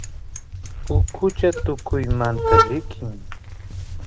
ukucha tukuymamanta llikin